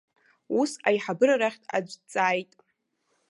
Ус аиҳабыра рахьтә аӡә дҵааит.